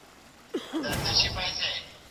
استاد شاګرد ته د موضوع په اړه نوي معلومات وړاندې کړل.